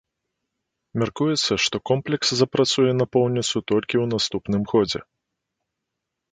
Мяркуецца, што комплекс запрацуе напоўніцу толькі ў наступным годзе.